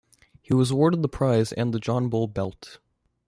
He was awarded the prize and the John Bull Belt.